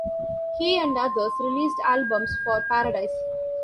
He and others released albums for Paradise.